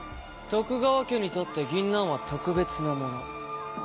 徳川家にとって銀杏は特別なもの。